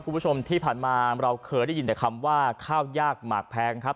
คุณผู้ชมที่ผ่านมาเราเคยได้ยินแต่คำว่าข้าวยากหมากแพงครับ